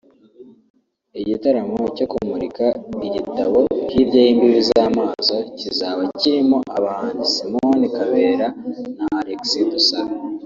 Igitaramo cyo kumurika igitabo “Hirya y’Imbibi z’Amaso” kizaba kirimo abahanzi Simon Kabera na Alexis Dusabe